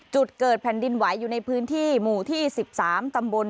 จุดเกิดแผ่นดินไหวอยู่ในพื้นที่หมู่ที่๑๓ตำบล